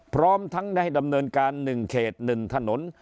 พร้อมทั้งได้ดำเนินการ๑เขต๑ถนน